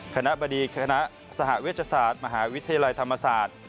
คณะบดีคณะสหเวชศาสตร์มหาวิทยาลัยธรรมศาสตร์